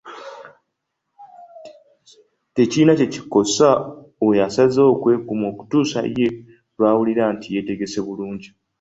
Tekirina kye kikosa oyo asazeewo okwekuuma okutuusa ye lwawulira nti yeetegese bulungi.